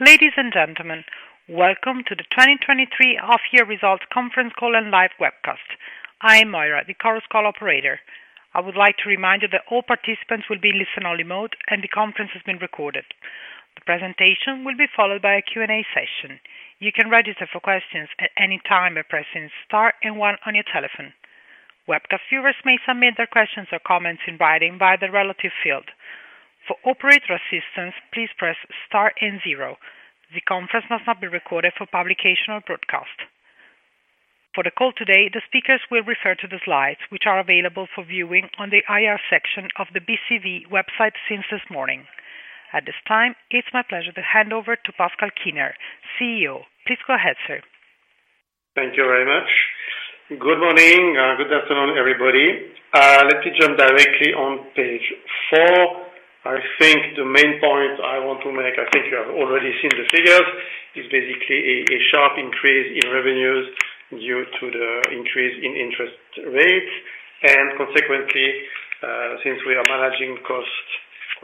Ladies and gentlemen, welcome to the 2023 Half Year Results Conference Call and Live Webcast. I am Moira, the Chorus Call operator. I would like to remind you that all participants will be in listen-only mode, and the conference has been recorded. The presentation will be followed by a Q&A session. You can register for questions at any time by pressing star one on your telephone. Webcast viewers may submit their questions or comments in writing via the relative field. For operator assistance, please press star zero. The conference must not be recorded for publication or broadcast. For the call today, the speakers will refer to the slides, which are available for viewing on the IR section of the BCV website since this morning. At this time, it's my pleasure to hand over to Pascal Kiener, CEO. Please go ahead, sir. Thank you very much. Good morning, good afternoon, everybody. Let me jump directly on page four. I think the main point I want to make, I think you have already seen the figures, is basically a, a sharp increase in revenues due to the increase in interest rates. Consequently, since we are managing costs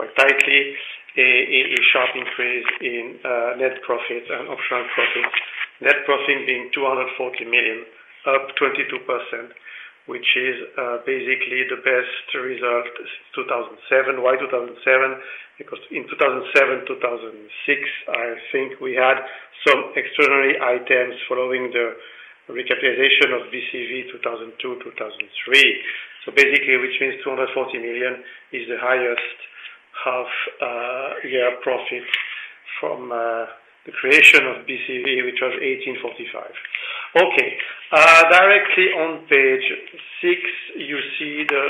quite tightly, a, a, a sharp increase in net profit and operational profit. Net profit being 240 million, up 22%, which is basically the best result since 2007. Why 2007? Because in 2007, 2006, I think we had some extraordinary items following the recapitalization of BCV, 2002, 2003. Basically, which means 240 million is the highest half-year profit from the creation of BCV, which was 1845. Okay. Directly on page six, you see the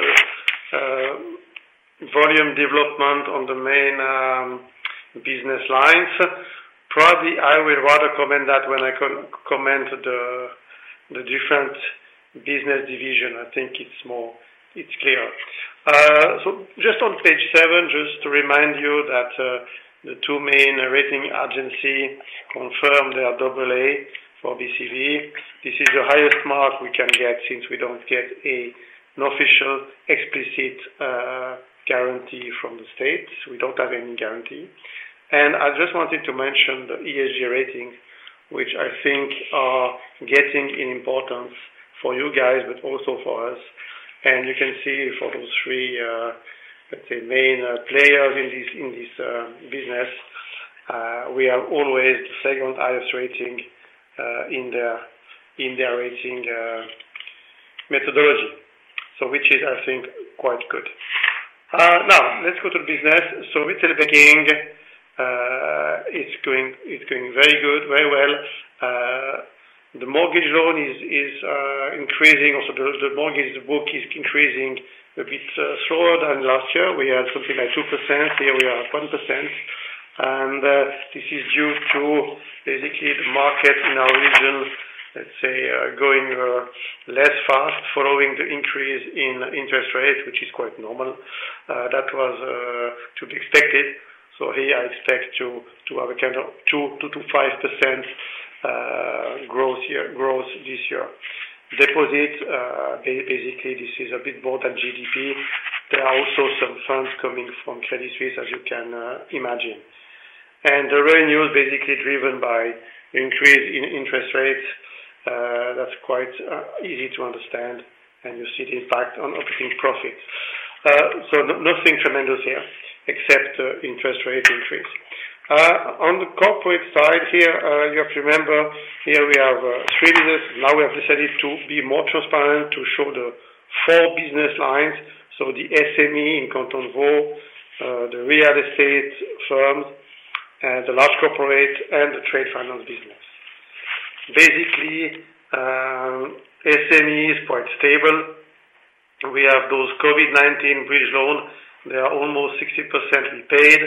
volume development on the main business lines. Probably, I will rather comment that when I co-comment the different business division, I think it's more, it's clear. Just on page seven, just to remind you that the two main rating agency confirmed their Double-A for BCV. This is the highest mark we can get since we don't get an official, explicit guarantee from the states. We don't have any guarantee. I just wanted to mention the ESG ratings, which I think are getting in importance for you guys, but also for us. You can see for those three, let's say, main players in this, in this business, we are always the second highest rating in their, in their rating methodology. Which is, I think, quite good. Now let's go to business. Retail banking, it's going, it's going very good, very well. The mortgage loan is, is increasing. Also, the mortgage book is increasing a bit slower than last year. We had something like 2%, here we are at 1%. This is due to basically the market in our region, let's say, going less fast following the increase in interest rates, which is quite normal. That was to be expected. Here I expect to, to have a kind of 2%-5% growth year, growth this year. Deposits, basically, this is a bit more than GDP. There are also some funds coming from Credit Suisse, as you can imagine. The revenue is basically driven by increase in interest rates. That's quite easy to understand, and you see the impact on operating profits. Nothing tremendous here, except interest rate increase. On the corporate side here, you have to remember, here we have three business. Now we have decided to be more transparent to show the four business lines, the SME in Canton Vaud, the real estate firms, and the large corporate, and the trade finance business. Basically, SME is quite stable. We have those COVID-19 bridge loans. They are almost 60% repaid,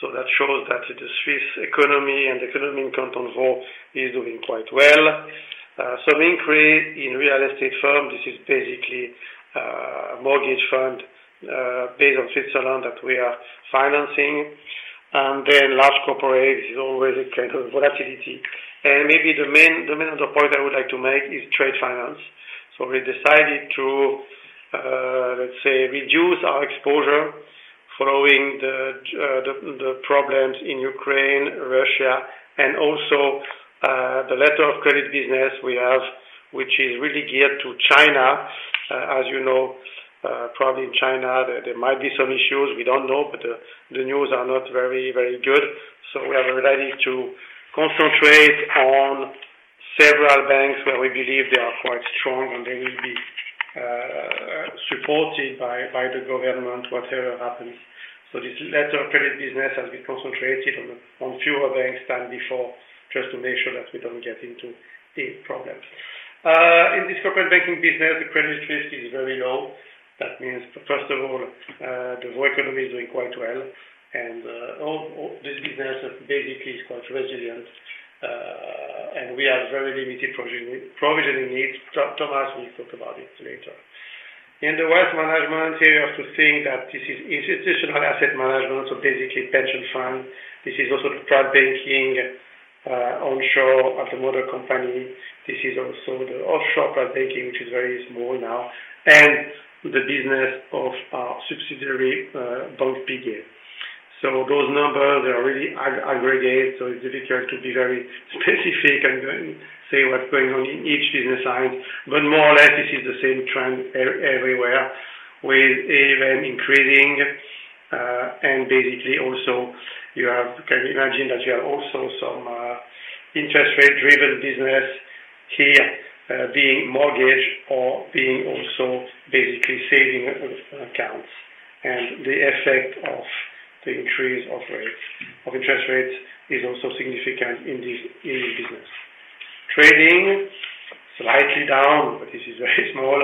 so that shows that the Swiss economy and the economy in Canton Vaud is doing quite well. Some increase in real estate firm. This is basically a mortgage fund based on Switzerland that we are financing. Large corporate, this is always a kind of volatility. Maybe the main, the main point I would like to make is trade finance. We decided to let's say, reduce our exposure following the problems in Ukraine, Russia, and also the letter of credit business we have, which is really geared to China. As you know, probably in China, there might be some issues we don't know, but the news are not very, very good. We are ready to concentrate on several banks where we believe they are quite strong, and they will be supported by the government, whatever happens. This letter of credit business has been concentrated on fewer banks than before, just to make sure that we don't get into deep problems. In this corporate banking business, the credit risk is very low. That means, first of all, the Vaud economy is doing quite well. All this business basically is quite resilient, and we have very limited provisioning needs. Thomas will talk about it later. In the wealth management here, you have to think that this is institutional asset management, so basically pension fund. This is also the private banking onshore at the mother company. This is also the offshore banking, which is very small now, and the business of our subsidiary, Banque Piguet Galland. Those numbers are really aggregate, so it's difficult to be very specific and then say what's going on in each business line. More or less, this is the same trend everywhere, with even increasing, and basically also, you can imagine that you have also some interest rate driven business here, being mortgage or being also basically saving accounts. The effect of the increase of rates, of interest rates is also significant in this business. Trading, slightly down, but this is very small.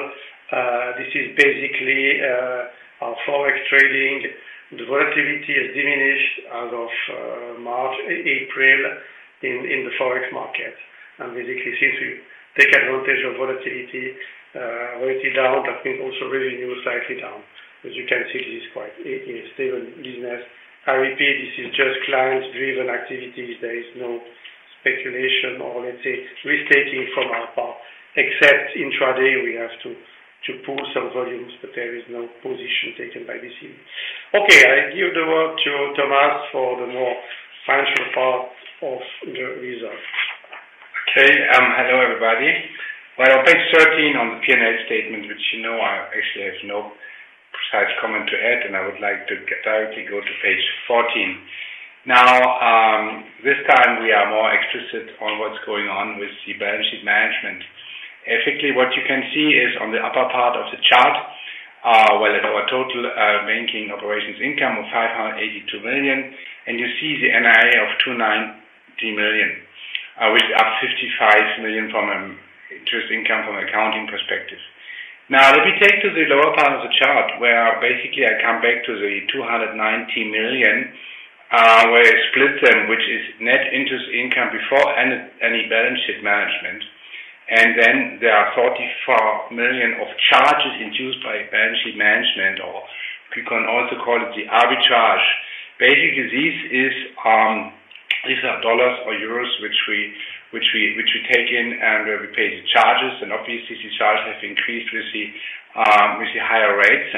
This is basically our Forex trading. The volatility has diminished as of March, April in the Forex market, and basically seem to take advantage of volatility, went down, but then also revenue slightly down. As you can see, this is quite a stable business. I repeat, this is just client-driven activities. There is no speculation or let's say, risk taking from our part, except intraday, we have to pull some volumes, but there is no position taken by this unit. Okay, I give the word to Thomas for the more financial part of the results. Okay, hello, everybody. Well, on page 13 on the P&L statement, which you know, I actually have no precise comment to add, and I would like to directly go to page 14. Now, this time we are more explicit on what's going on with the balance sheet management. Basically, what you can see is on the upper part of the chart, well, our total banking operations income of 582 million, and you see the NII of 290 million, which up 55 million from an interest income from an accounting perspective. Now, let me take to the lower part of the chart, where basically, I come back to the 290 million, where I split them, which is net interest income before any, any balance sheet management. Then there are 44 million of charges induced by balance sheet management, or we can also call it the arbitrage. Basically, this is, these are US dollars or Euro, which we take in, and we pay the charges, and obviously, the charge has increased with the higher rates.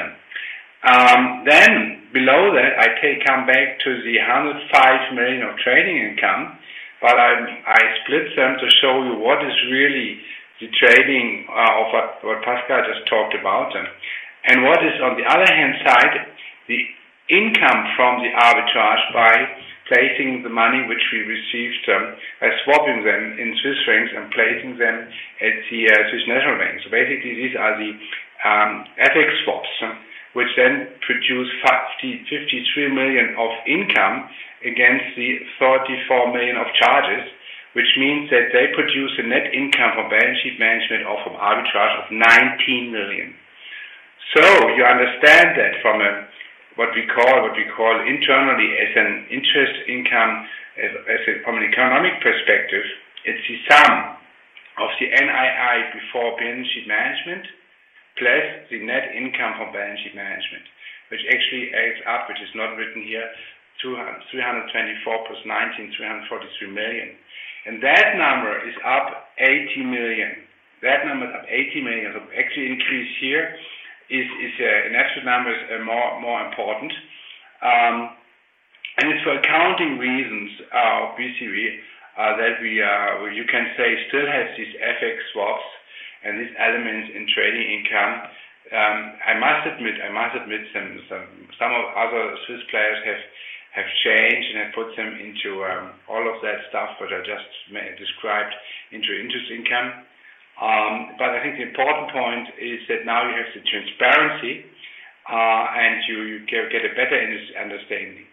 Then below that, come back to the 105 million of trading income, but I, I split them to show you what is really the trading of what Pascal just talked about. What is, on the other hand side, the income from the arbitrage by placing the money which we received by swapping them in Swiss franc and placing them at the Swiss National Bank. Basically, these are the FX swaps, which then produce 53 million of income against the 34 million of charges, which means that they produce a net income from balance sheet management or from arbitrage of 19 million. You understand that from a, what we call, what we call internally as an interest income, as, as in from an economic perspective, it's the sum of the NII before balance sheet management, plus the net income from balance sheet management, which actually adds up, which is not written here, 324 plus 19, 343 million. That number is up 80 million. That number is up 80 million, actually increase here is an actual number is more, more important. It's for accounting reasons, obviously, that You can say, still has these FX swaps and these elements in trading income. I must admit, I must admit some, some, some of other Swiss players have, have changed and have put them into, all of that stuff that I just described into interest income. I think the important point is that now you have the transparency, and you, you get, get a better understanding.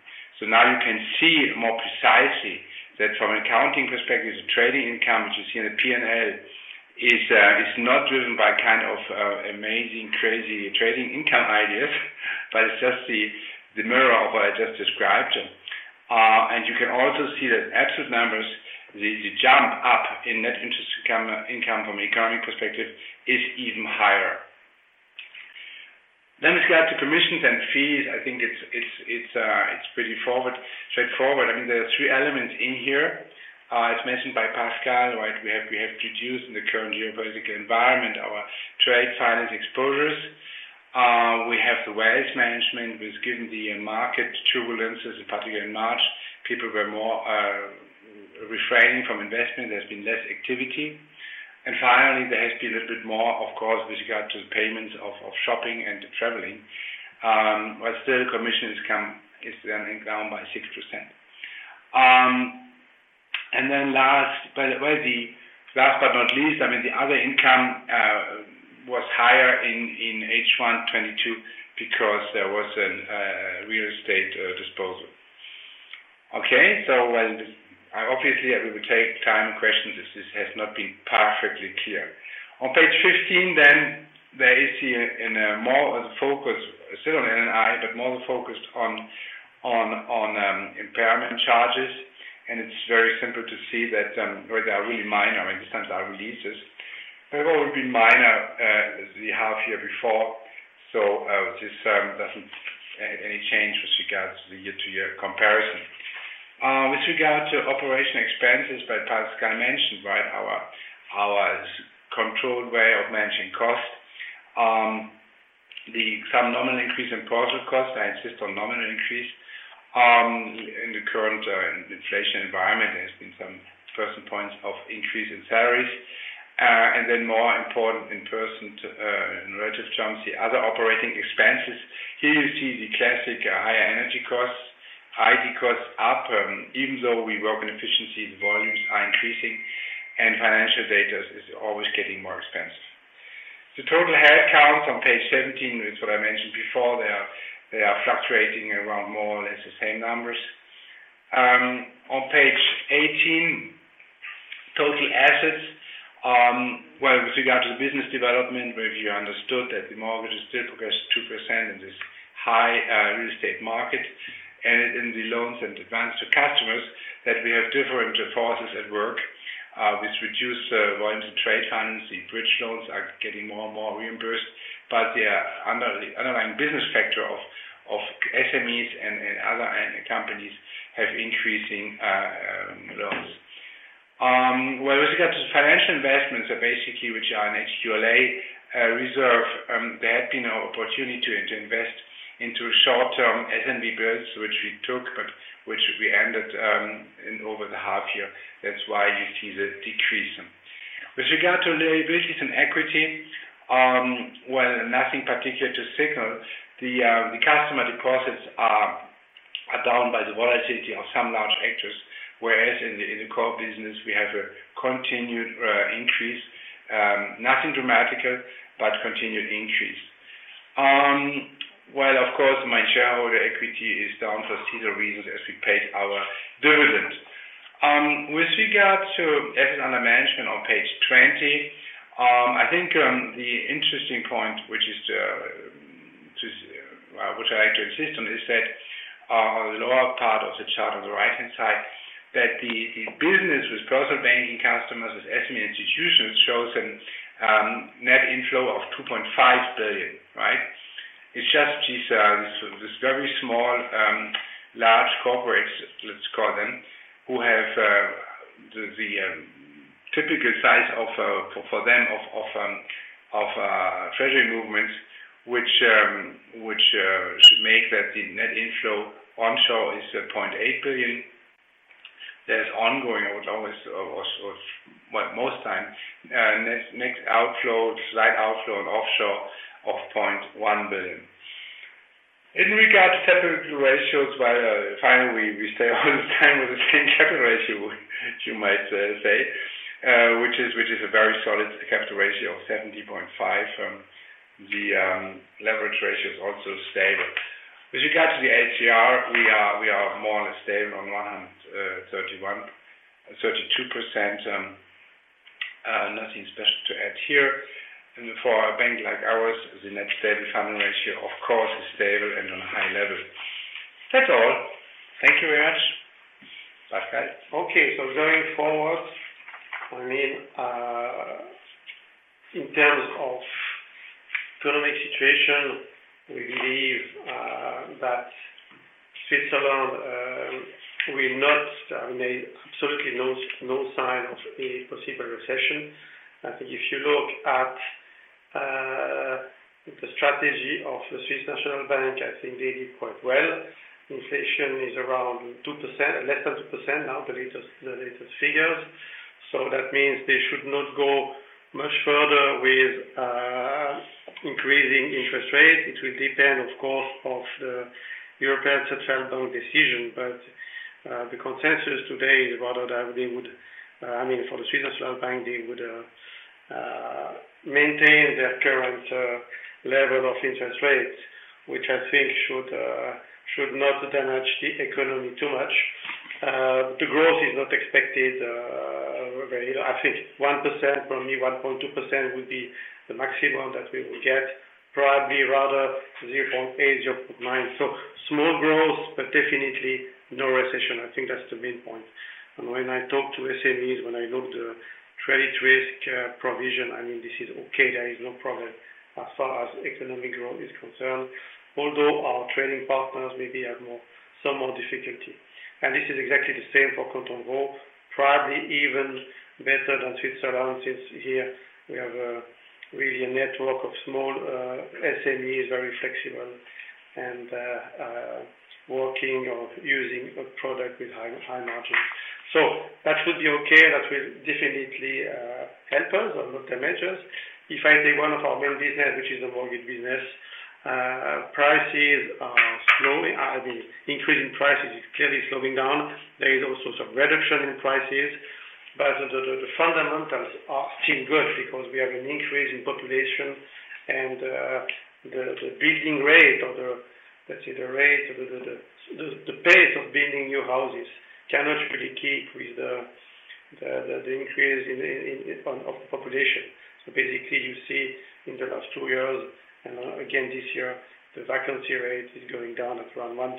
Now you can see more precisely that from an accounting perspective, the trading income, which you see in the P&L, is, is not driven by kind of, amazing, crazy trading income ideas, but it's just the, the mirror of what I just described. You can also see that absolute numbers, the, the jump up in Net Interest Income, income from economic perspective is even higher. We go to commissions and fees. I think it's, it's, it's, it's pretty forward, straightforward. I mean, there are three elements in here. As mentioned by Pascal, right, we have, we have reduced in the current geopolitical environment, our trade finance exposures. We have the wealth management, which given the market turbulences, in particular in March, people were more refraining from investment. There's been less activity. Finally, there has been a little bit more, of course, with regard to the payments of, of shopping and traveling. Still, commissions is then down by 6%. Then last, by the way, the last but not least, I mean, the other income was higher in H1 2022 because there was a real estate disposal. Well, I obviously, I will take time and question this. This has not been perfectly clear. On page 15, there is here in a more focused, still NII, but more focused on impairment charges. It's very simple to see that, well, they are really minor, and sometimes are releases. However, it will be minor the half year before. This doesn't any change with regards to the year-to-year comparison. With regard to operation expenses, Pascal mentioned, right? Our, our controlled way of managing costs. The some nominal increase in project costs, I insist on nominal increase. In the current inflation environment, there has been some person points of increase in salaries. Then more important in person to, in relative terms, the other operating expenses. Here you see the classic higher energy costs, IT costs up, even though we work in efficiency, volumes are increasing, and financial data is, is always getting more expensive. The total headcount on page 17, is what I mentioned before, they are, they are fluctuating around more or less the same numbers. On page 18, total assets, well, with regard to the business development, where we understood that the mortgage is still progressed 2% in this high real estate market, in the loans and advanced to customers, that we have different forces at work, which reduce volume to trade finance. The bridge loans are getting more and more reimbursed, but they are under the underlying business factor of, of SMEs and, and other companies have increasing loans. Well, with regard to financial investments are basically, which are an HQLA reserve. There had been no opportunity to invest into short-term SNB bills, which we took, but which we ended in over the half year. That's why you see the decrease. With regard to liabilities and equity, well, nothing particular to signal. The customer deposits are down by the volatility of some large actors, whereas in the core business, we have a continued increase. Nothing dramatic, but continued increase. Well, of course, my shareholder equity is down for seasonal reasons as we paid our dividends. With regard to assets under management on page 20, I think the interesting point, which I actually insist on, is that on the lower part of the chart on the right-hand side, that the business with personal banking customers, with SME institutions, shows a net inflow of 2.5 billion, right? It's just these, this very small, large corporates, let's call them, who have the typical size for them of treasury movements, which make that the net inflow onshore is 0.8 billion. There's ongoing, or always, or, or, well, most time, net, net outflow, slight outflow and offshore of 0.1 billion. In regard to capital ratios, well, finally, we stay all the time with the same capital ratio, you might say, which is, which is a very solid capital ratio of 70.5%. The leverage ratio is also stable. With regard to the ATR, we are, we are more or less stable on 131-132%. Nothing special to add here. For a bank like ours, the net stable funding ratio, of course, is stable and on a high level. That's all. Thank you very much. Pascal? Okay, going forward, I mean, in terms of economic situation, we believe that Switzerland will not make absolutely no, no sign of a possible recession. I think if you look at the strategy of the Swiss National Bank, I think they did quite well. Inflation is around 2%, less than 2%, now the latest, the latest figures. That means they should not go much further with increasing interest rates. It will depend, of course, on the European Central Bank decision. The consensus today is rather that they would, I mean, for the Swiss National Bank, they would maintain their current level of interest rates, which I think should not damage the economy too much. The growth is not expected very low. I think 1%, probably 1.2%, would be the maximum that we will get. Probably rather 0.8, 0.9. Small growth, but definitely no recession. I think that's the main point. When I talk to SMEs, when I look the credit risk provision, I mean, this is okay, there is no problem as far as economic growth is concerned, although our trading partners maybe have more-- some more difficulty. This is exactly the same for Canton Vaud, probably even better than Switzerland, since here we have really a network of small SMEs, very flexible and working or using a product with high, high margins. That would be okay. That will definitely help us on those dimensions. If I take one of our main business, which is a mortgage business, I mean, increasing prices is clearly slowing down. There is also some reduction in prices, the, the, the fundamentals are still good because we have an increase in population and the, the building rate or the, let's say, the rate of the, the, the pace of building new houses cannot really keep with the, the, the increase in, in, in, of the population. Basically, you see in the last two years, and again, this year, the vacancy rate is going down at around 1%.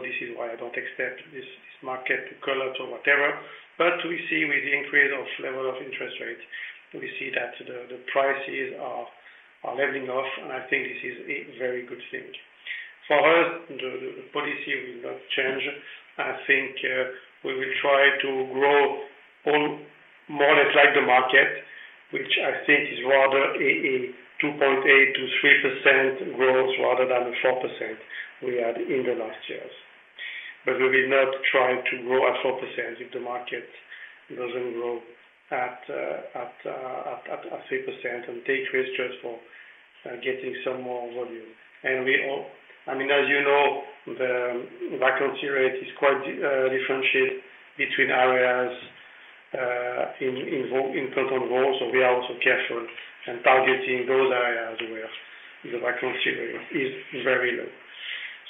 This is why I don't expect this market to collapse or whatever. We see with the increase of level of interest rates, we see that the, the prices are, are leveling off, and I think this is a very good thing. For us, the, the policy will not change. I think we will try to grow all more like the market, which I think is rather a 2.8%-3% growth rather than the 4% we had in the last years. We will not try to grow at 4% if the market doesn't grow at 3%, and take risk just for getting some more volume. I mean, as you know, the vacancy rate is quite differentiate between areas in front of all. We are also careful and targeting those areas where the vacancy rate is very low.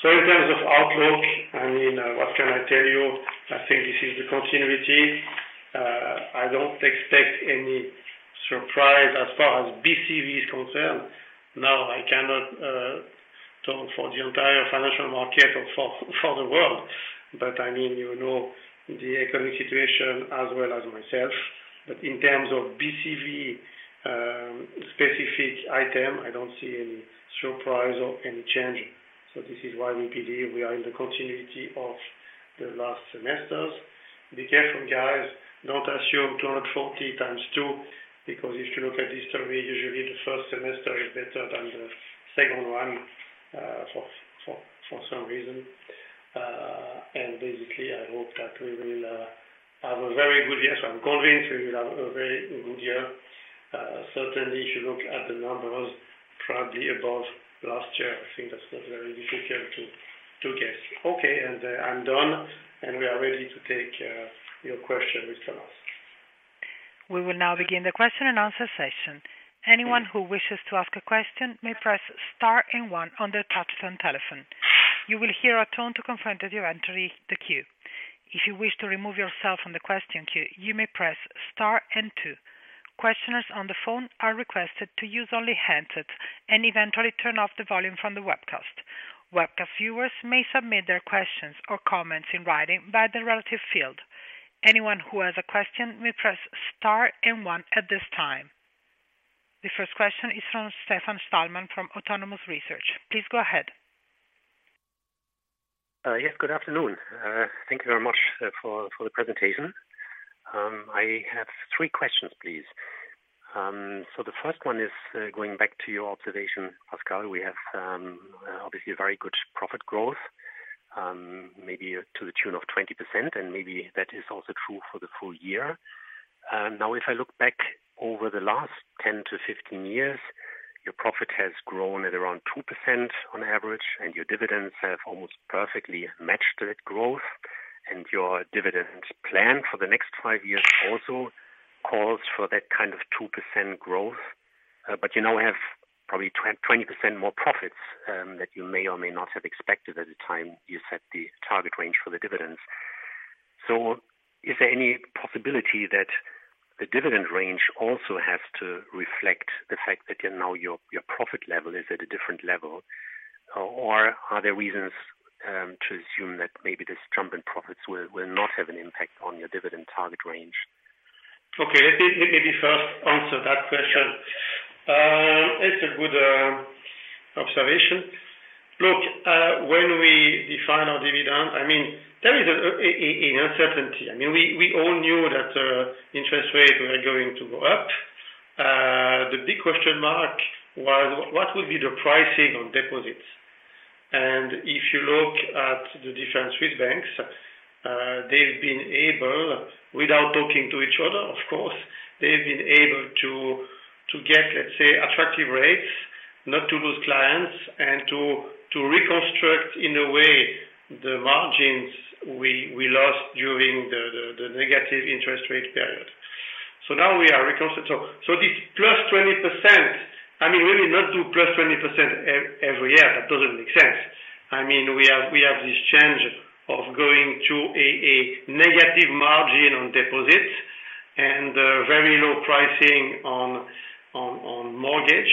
In terms of outlook, I mean, what can I tell you? I think this is the continuity. I don't expect any surprise as far as BCV is concerned. No, I cannot talk for the entire financial market or for, for the world, but I mean, you know, the economic situation as well as myself. In terms of BCV, specific item, I don't see any surprise or any change. This is why we believe we are in the continuity of the last semesters. Be careful, guys. Don't assume 240 times two, because if you look at history, usually the first semester is better than the second one, for, for, for some reason. Basically, I hope that we will have a very good year. I'm convinced we will have a very good year. If you look at the numbers, probably above last year, I think that's not very difficult to, to guess. Okay, I'm done. We are ready to take your questions, which come up. We will now begin the question and answer session. Anyone who wishes to ask a question, may press star one on their touch tone telephone. You will hear a tone to confirm that you've entered the queue. If you wish to remove yourself from the question queue, you may press star two. Questioners on the phone are requested to use only handsets, and eventually turn off the volume from the webcast. Webcast viewers may submit their questions or comments in writing by the relative field. Anyone who has a question, may press star 1 at this time. The first question is from Stefan Stalmann, from Autonomous Research. Please go ahead. Yes, good afternoon. Thank you very much for the presentation. I have three questions, please. The first one is going back to your observation, Pascal, we have obviously a very good profit growth, maybe to the tune of 20%, and maybe that is also true for the full year. Now, if I look back over the last 10 to 15 years, your profit has grown at around 2% on average, and your dividends have almost perfectly matched that growth. Your dividends plan for the next five years also calls for that kind of 2% growth. You now have probably 20% more profits that you may or may not have expected at the time you set the target range for the dividends. Is there any possibility that the dividend range also has to reflect the fact that, you know, your, your profit level is at a different level? Or are there reasons to assume that maybe this jump in profits will, will not have an impact on your dividend target range? Okay, let me, let me first answer that question. It's a good observation. Look, when we define our dividend, I mean, there is an uncertainty. I mean, we all knew that interest rates were going to go up. The big question mark was, what would be the pricing on deposits? If you look at the different Swiss banks, they've been able, without talking to each other, of course, they've been able to get, let's say, attractive rates, not to lose clients and to reconstruct in a way, the margins we lost during the negative interest rate period. Now we are reconstruct... So, this +20%, I mean, we may not do +20% every year. That doesn't make sense. I mean, we have, we have this change of going to a, a negative margin on deposits and, very low pricing on, on, on mortgage.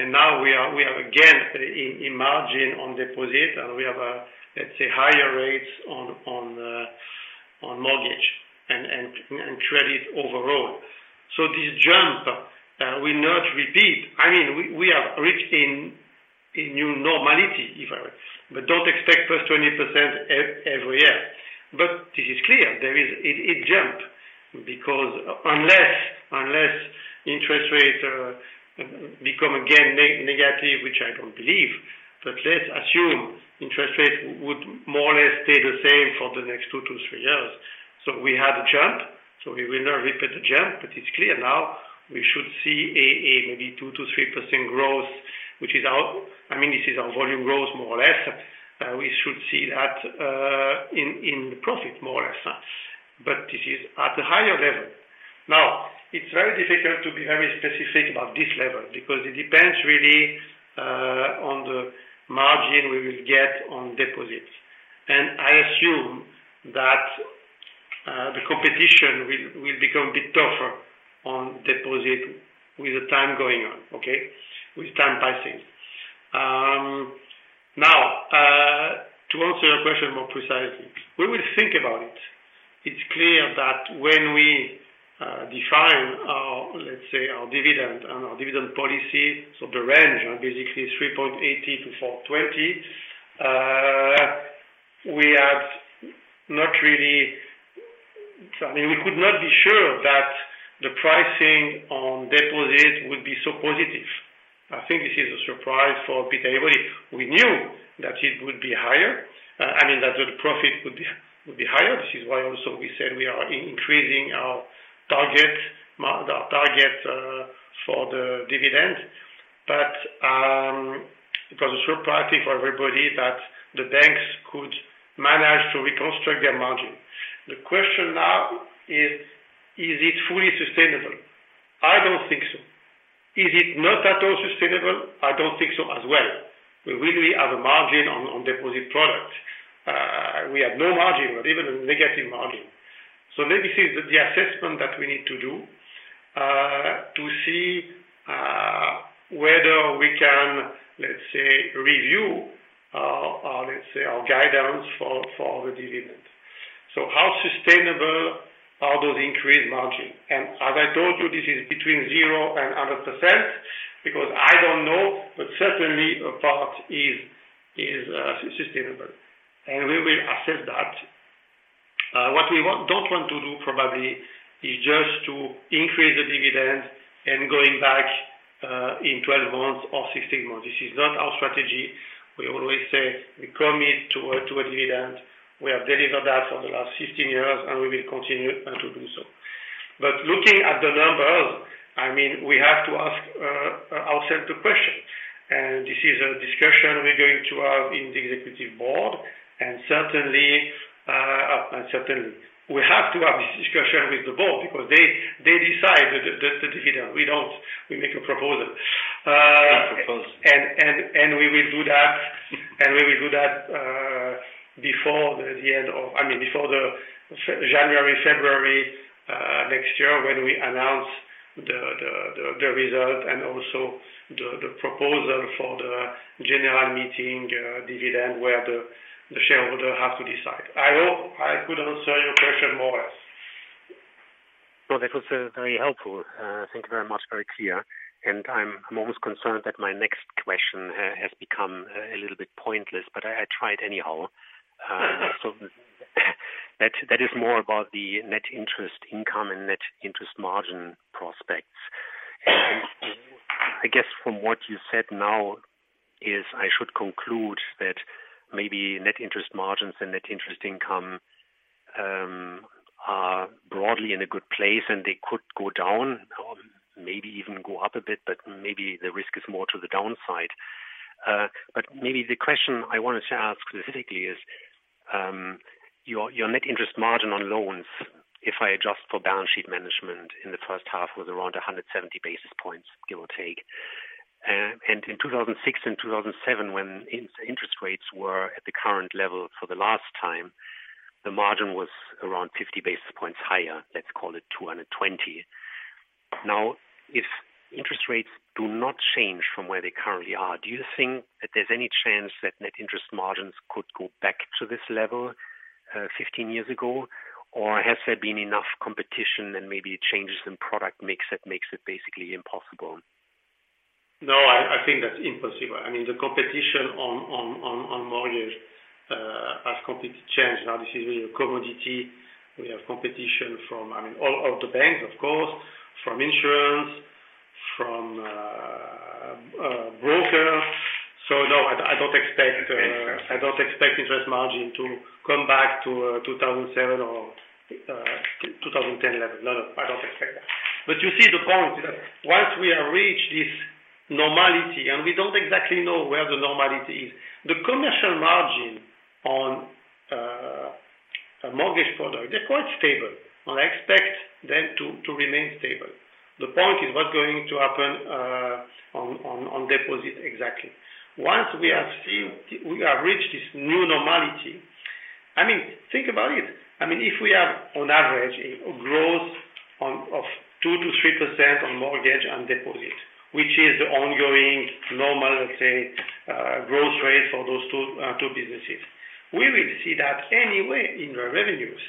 Now we are, we are again, in, in margin on deposits, and we have a, let's say, higher rates on, on, on mortgage and, and, and credit overall. This jump, we not repeat. I mean, we, we are rich in, in new normality, if I... Don't expect +20% every year. This is clear, there is a, a jump because unless, unless interest rates, become again negative, which I don't believe. Let's assume interest rates would more or less stay the same for the next two to three years. We had a jump, we will not repeat the jump. It's clear now, we should see maybe 2%-3% growth, which is our-- I mean, this is our volume growth more or less. We should see that in profit, more or less, but this is at a higher level. Now, it's very difficult to be very specific about this level, because it depends really on the margin we will get on deposits, and on deposit with the time going on, okay? With time passing. Now, to answer your question more precisely, we will think about it. It's clear that when we define our, let's say, our dividend and our dividend policy, so the range are basically 3.80-4.20, we have not really-- I mean, we could not be sure that the pricing on deposit would be so positive. I think this is a surprise for everybody. We knew that it would be higher, I mean, that the profit would be, would be higher, which is why also we said we are increasing our target, our target, for the dividend. It was a surprise for everybody that the banks could manage to reconstruct their margin. The question now is, is it fully sustainable? I don't think so. Is it not at all sustainable? I don't think so as well. We really have a margin on, on deposit product. We have no margin, but even a negative margin. This is the assessment that we need to do, to see, whether we can, let's say, review, our, let's say, our guidance for, for the dividend. How sustainable are those increased margin? As I told you, this is between 0% and 100%, because I don't know, but certainly a part is, is sustainable, and we will assess that. What we want, don't want to do probably is just to increase the dividend and going back in 12 months or 16 months. This is not our strategy. We always say we commit to a, to a dividend. We have delivered that for the last 15 years, and we will continue to do so. Looking at the numbers, I mean, we have to ask ourself the question, and this is a discussion we're going to have in the executive board. Certainly, and certainly we have to have this discussion with the board because they, they decide the, the, the dividend. We don't, we make a proposal. I propose. We will do that, before the end of, I mean, before January, February, next year, when we announce the result and also the proposal for the general meeting, dividend, where the shareholder have to decide. I hope I could answer your question more or less. No, that was very helpful. Thank you very much. Very clear. I'm, I'm almost concerned that my next question has become a little bit pointless, but I, I'll try it anyhow. That, that is more about the net interest income and net interest margin prospects. I guess from what you said now is, I should conclude that maybe net interest margins and net interest income are broadly in a good place, and they could go down or maybe even go up a bit, but maybe the risk is more to the downside. Maybe the question I wanted to ask specifically is, your, your net interest margin on loans, if I adjust for balance sheet management in the first half, was around 170 basis points, give or take. In 2006 and 2007, when interest rates were at the current level for the last time, the margin was around 50 basis points higher, let's call it 220. Now, if interest rates do not change from where they currently are, do you think that there's any chance that net interest margins could go back to this level, 15 years ago? Has there been enough competition and maybe changes in product mix that makes it basically impossible? No, I, I think that's impossible. I mean, the competition on, on, on, on mortgage has completely changed. Now, this is a commodity. We have competition from, I mean, all, all the banks, of course, from insurance, from broker. No, I, I don't expect. I don't expect interest margin to come back to 2007 or 2010 level. No, no, I don't expect that. You see the point, that once we have reached this normality, and we don't exactly know where the normality is, the commercial margin on a mortgage product, they're quite stable, and I expect them to, to remain stable. The point is what's going to happen on, on, on deposit exactly. Once we have we have reached this new normality... I mean, think about it, I mean, if we have on average a growth of 2%-3% on mortgage and deposit, which is the ongoing normal, let's say, growth rate for those two businesses, we will see that anyway in the revenues.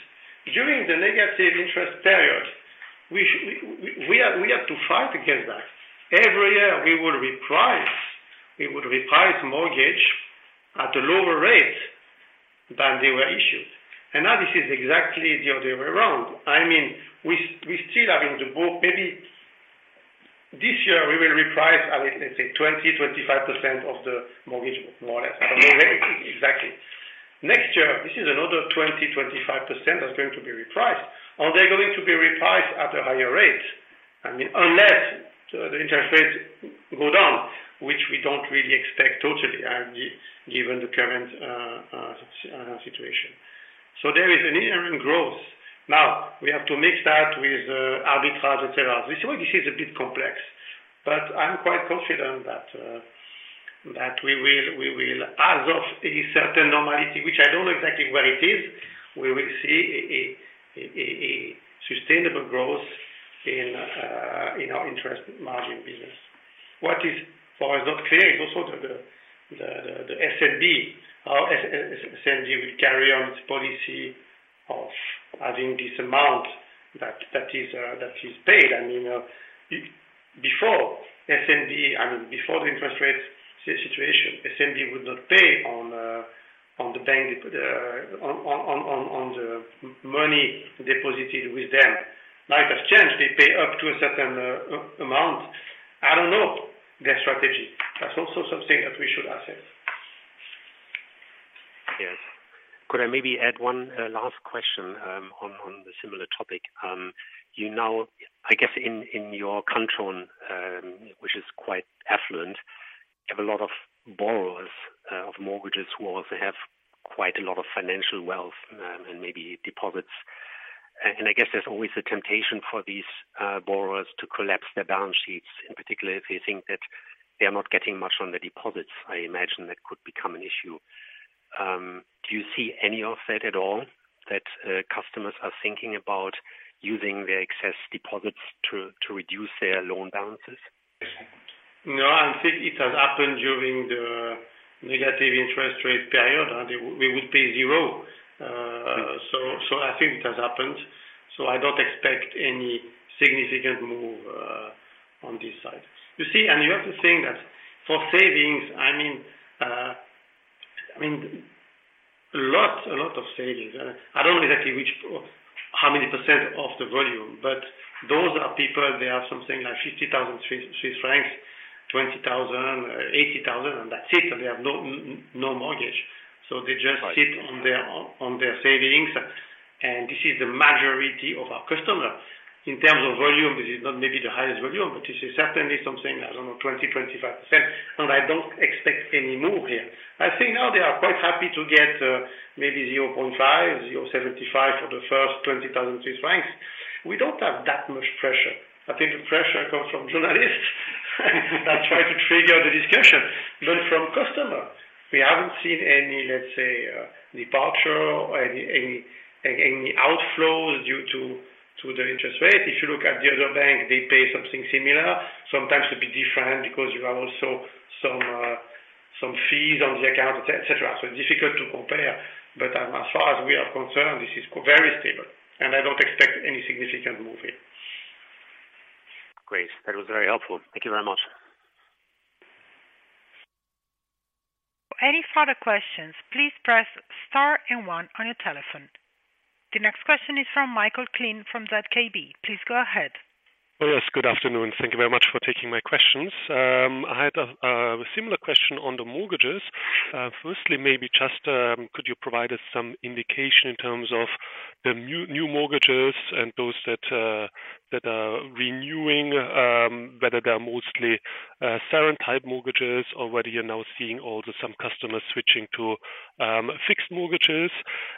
During the negative interest period, we had to fight against that. Every year, we would reprice, we would reprice mortgage at a lower rate than they were issued. Now this is exactly the other way around. I mean, we still have in the book, maybe this year we will reprice, I mean, let's say 20%-25% of the mortgage, more or less. I don't know exactly. Next year, this is another 20%-25% that's going to be repriced, and they're going to be repriced at a higher rate. I mean, unless the interest rates go down, which we don't really expect totally, given the current situation. There is an inherent growth. Now, we have to mix that with arbitrage, et cetera. This way, this is a bit complex, but I'm quite confident that we will, we will as of a certain normality, which I don't know exactly where it is. We will see a sustainable growth in our interest margin business. What is for us not clear is also the SNB. How SNB will carry on its policy of adding this amount that is paid. I mean, before SNB, I mean, before the interest rate situation, SNB would not pay on the bank, money deposited with them. Now, it has changed. They pay up to a certain amount. I don't know their strategy. That's also something that we should assess. Yes. Could I maybe add one last question on the similar topic? You now, I guess, in your country, which is quite affluent, you have a lot of borrowers of mortgages who also have quite a lot of financial wealth and maybe deposits. I guess there's always a temptation for these borrowers to collapse their balance sheets, and particularly if they think that they are not getting much on the deposits, I imagine that could become an issue. Do you see any of that at all, that customers are thinking about using their excess deposits to reduce their loan balances? No, I think it has happened during the negative interest rate period, and we, we would pay zero. So I think it has happened, so I don't expect any significant move on this side. You see, the other thing that for savings, I mean, I mean, a lot, a lot of savings. I don't know exactly which, how many percent of the volume, but those are people, they have something like 50,000 Swiss francs, 20,000, or 80,000, and that's it. They have no, no mortgage. Right. They just sit on their, on their savings, and this is the majority of our customers. In terms of volume, this is not maybe the highest volume, but this is certainly something around, I don't know, 20%-25%, and I don't expect any more here. I think now they are quite happy to get, maybe 0.5, 0.75 for the first 20,000 Swiss francs. We don't have that much pressure. I think the pressure comes from journalists, that try to trigger the discussion. From customers, we haven't seen any, let's say, departure or any, any, any, any outflows due to the interest rate. If you look at the other banks, they pay something similar. Sometimes it would be different because you have also some, some fees on the account, et cetera. Difficult to compare, but, as far as we are concerned, this is very stable, and I don't expect any significant move here. Great. That was very helpful. Thank you very much. Any further questions, please press star and one on your telephone. The next question is from Michael Klien, from ZKB. Please go ahead. Oh, yes. Good afternoon. Thank you very much for taking my questions. I had a similar question on the mortgages. Firstly, maybe just, could you provide us some indication in terms of the new mortgages and those that are renewing, whether they are mostly certain type mortgages or whether you're now seeing also some customers switching to fixed mortgages?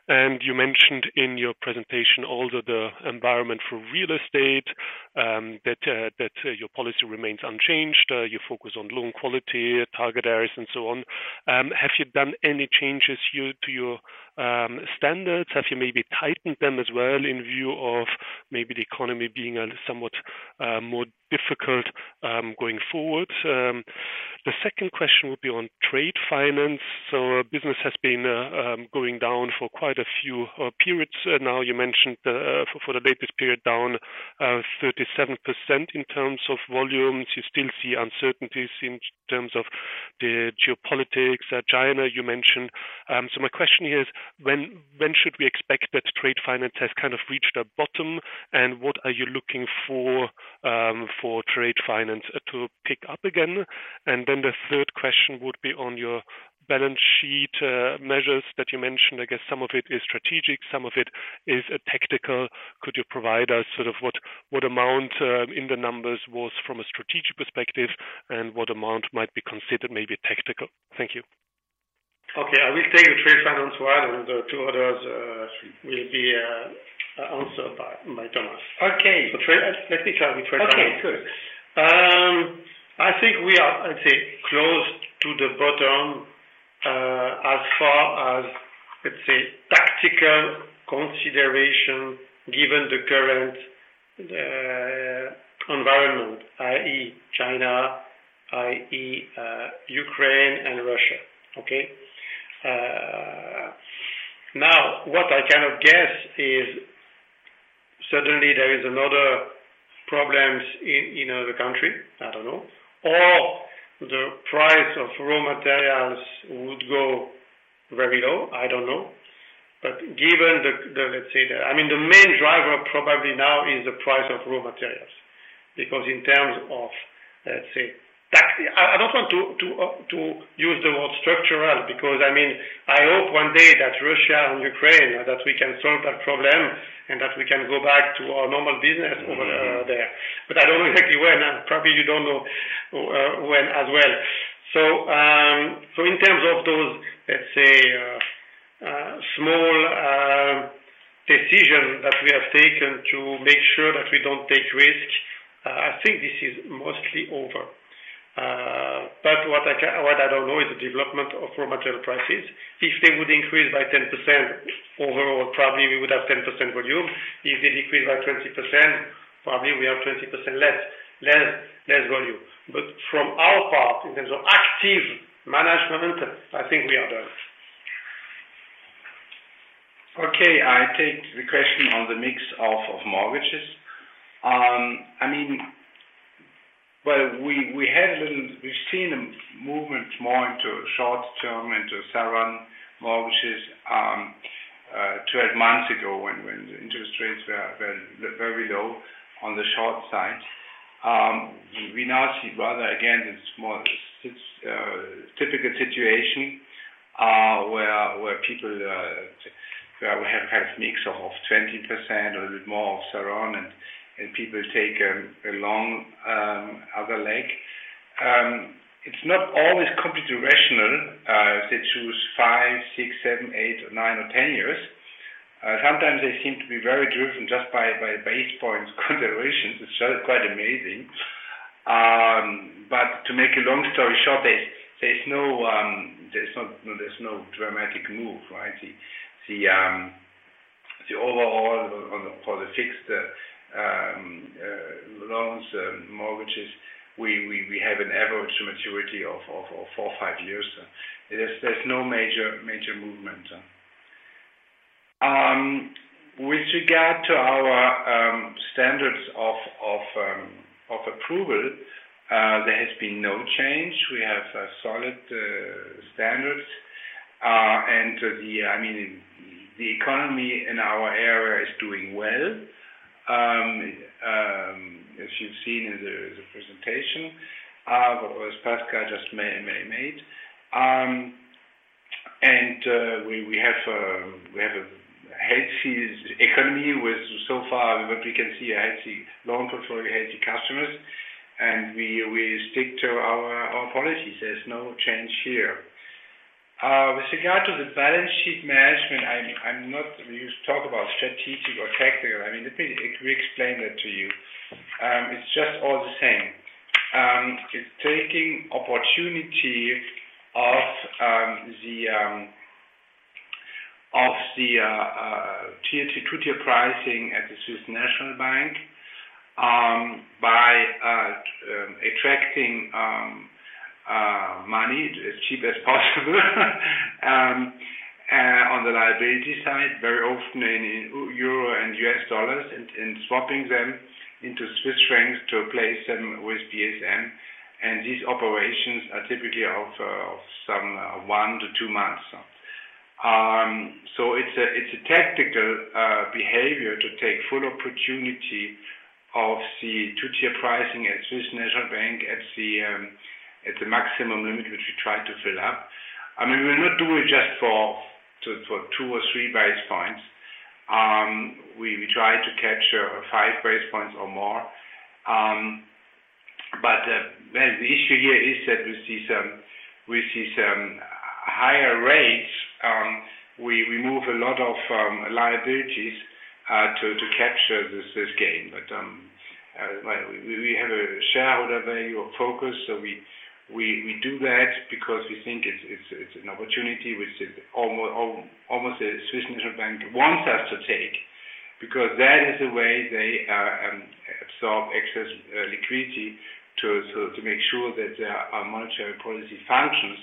You mentioned in your presentation also the environment for real estate, that your policy remains unchanged. You focus on loan quality, target areas and so on. Have you done any changes to your standards? Have you maybe tightened them as well in view of maybe the economy being somewhat more difficult going forward? The second question would be on trade finance. Business has been going down for quite a few periods now. You mentioned, for the latest period, down 37% in terms of volumes. You still see uncertainties in terms of the geopolitics, China, you mentioned. My question here is, when, when should we expect that trade finance has kind of reached a bottom, and what are you looking for, for trade finance to pick up again? The third question would be on your balance sheet measures that you mentioned. I guess, some of it is strategic, some of it is tactical. Could you provide us sort of what, what amount in the numbers was from a strategic perspective, and what amount might be considered maybe tactical? Thank you. Okay. I will take the trade finance one, and the two others will be answered by Thomas. Okay. Let me try the trade finance. Okay, good. I think we are, I'd say, close to the bottom as far as, let's say, tactical consideration, given the current environment, i.e., China, i.e., Ukraine and Russia. Okay? Now, what I cannot guess is suddenly there is another problems in another country. I don't know. The price of raw materials would go very low. I don't know. Given the, the, let's say the-- I mean, the main driver probably now is the price of raw materials, because in terms of, let's say, taxi, I, I don't want to, to use the word structural, because, I mean, I hope one day that Russia and Ukraine, that we can solve that problem, and that we can go back to our normal business- Mm-hmm. -over there. I don't know exactly when, and probably you don't know when as well. In terms of those, let's say,... to make sure that we don't take risk. I think this is mostly over. What I can-- what I don't know is the development of raw material prices. If they would increase by 10% overall, probably we would have 10% volume. If they decrease by 20%, probably we have 20% less, less, less volume. From our part, in terms of active management, I think we are done. Okay, I take the question on the mix of, of mortgages. I mean, well, we, we had we've seen a movement more into short term, into SARON mortgages, 12 months ago, when, when the interest rates were, were very low on the short side. We now see rather again, it's more it's typical situation, where, where people, where we have, have mix of 20% or a bit more of SARON, and, and people take a long other leg. It's not always completely rational, they choose five, six, seven, eight, nine or 10 years. Sometimes they seem to be very driven just by, by basis points considerations, it's quite amazing. To make a long story short, there's, there's no, there's no dramatic move, right? The overall on the, for the fixed loans, mortgages, we, we, we have an average maturity of four, five years. There's, there's no major, major movement. With regard to our standards of approval, there has been no change. We have a solid standards, I mean, the economy in our area is doing well. As you've seen in the presentation, as Pascal just made. We, we have a, we have a healthy economy with so far what we can see, a healthy loan portfolio, healthy customers, and we, we stick to our, our policies. There's no change here. With regard to the balance sheet management, I'm, I'm not used to talk about strategic or tactical. I mean, let me re-explain that to you. It's just all the same. It's taking opportunity of the two-tier system at the Swiss National Bank by attracting money as cheap as possible on the liability side, very often in Euro and US dollars, and swapping them into Swiss franc to place them with DSM-Firmenich. These operations are typically of some one to two months. It's a tactical behavior to take full opportunity of the two-tier system at Swiss National Bank, at the maximum limit, which we try to fill up. I mean, we're not doing just for two or three basis points. We try to capture five basis points or more. Well, the issue here is that with these higher rates, we move a lot of liabilities to capture this gain. Well, we have a shareholder value of focus, so we do that because we think it's an opportunity which is almost the Swiss National Bank wants us to take. That is the way they absorb excess liquidity to, to, to make sure that there are monetary policy functions,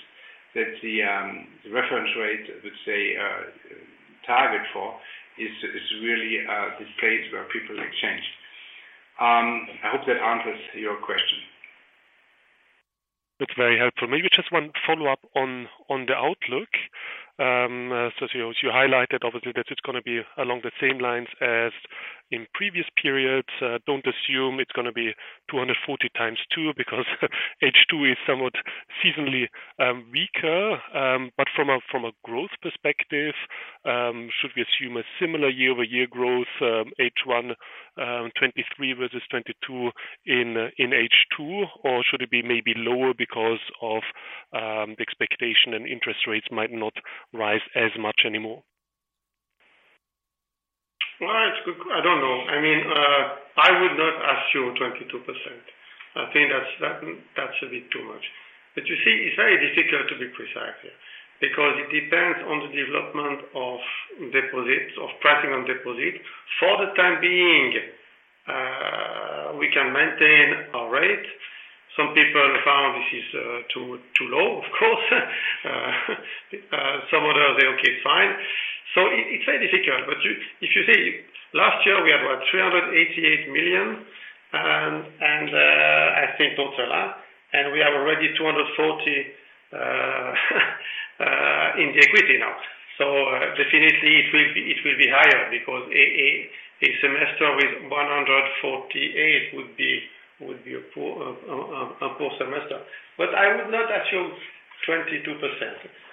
that the reference rate, let's say, target for, is, is really this place where people exchange. I hope that answers your question. It's very helpful. Maybe just one follow-up on, on the outlook. As you, you highlighted, obviously, that it's gonna be along the same lines as in previous periods. Don't assume it's gonna be 240 times two, because H2 is somewhat seasonally weaker. From a, from a growth perspective, should we assume a similar year-over-year growth, H1 2023 versus 2022 in H2? Or should it be maybe lower because of the expectation and interest rates might not rise as much anymore? Well, it's good. I don't know. I mean, I would not assume 22%. I think that's, that, that's a bit too much. You see, it's very difficult to be precise here, because it depends on the development of deposits, of pricing on deposits. For the time being, we can maintain our rate. Some people found this is too, too low, of course. Some others say, "Okay, fine." It's very difficult, but if you see, last year we had about 388 million, and I think until now, and we are already 240 in the equity now. Definitely it will be, it will be higher, because a, a, a semester with 148 would be, would be a poor, a poor semester. I would not assume 22%.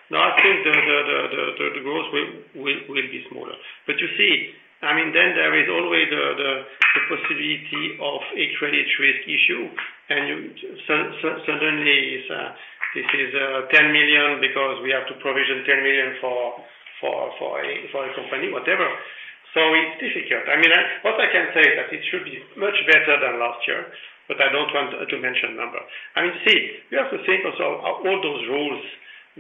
No, I think the growth will be smaller. You see, I mean, then there is always the possibility of a credit risk issue, and suddenly it's, this is 10 million, because we have to provision 10 million for a company, whatever. It's difficult. I mean, what I can say is that it should be much better than last year, but I don't want to mention number. I mean, see, you have to think also all those rules,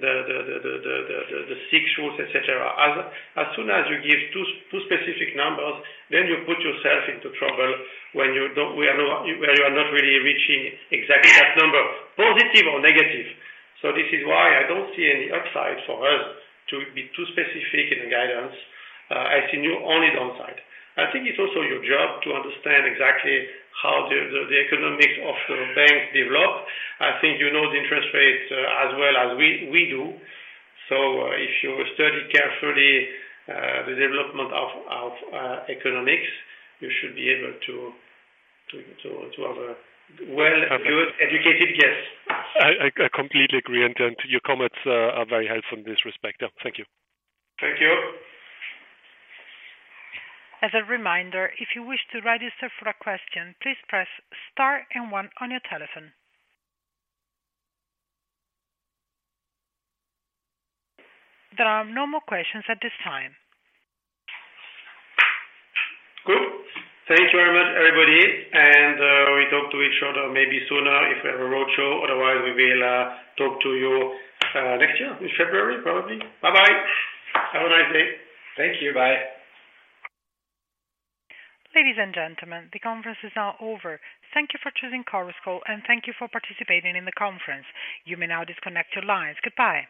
the six rules, et cetera. As soon as you give two specific numbers, then you put yourself into trouble when you are not really reaching exactly that number, positive or negative. This is why I don't see any upside for us to be too specific in the guidance. I see only downside. I think it's also your job to understand exactly how the, the, the economics of the bank develop. I think you know the interest rates, as well as we, we do. If you study carefully, the development of, of, economics, you should be able to have a well good educated guess. I, I, completely agree, and, and your comments are very helpful in this respect. Yeah, thank you. Thank you. As a reminder, if you wish to register for a question, please press star and one on your telephone. There are no more questions at this time. Cool. Thank you very much, everybody, and we talk to each other maybe sooner if we have a roadshow. Otherwise, we will talk to you next year in February, probably. Bye bye. Have a nice day. Thank you. Bye. Ladies and gentlemen, the conference is now over. Thank you for choosing Chorus Call, and thank you for participating in the conference. You may now disconnect your lines. Goodbye.